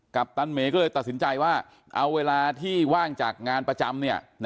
ปตันเมก็เลยตัดสินใจว่าเอาเวลาที่ว่างจากงานประจำ